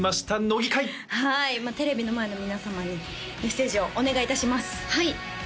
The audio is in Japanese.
乃木回はいテレビの前の皆様にメッセージをお願いいたしますはい